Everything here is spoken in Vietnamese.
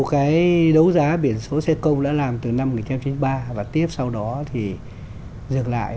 cái đấu giá biển số xe công đã làm từ năm một nghìn chín trăm chín mươi ba và tiếp sau đó thì dừng lại